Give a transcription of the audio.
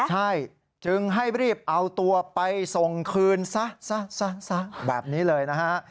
ใช่จึงให้รีบเอาตัวไปส่งคืนซะแบบนี้เลยนะฮะ